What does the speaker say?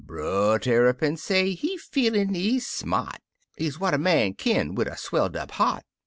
Brer Tarrypin say he feelin' ez smart Ez what a man kin wid a swelled up heart.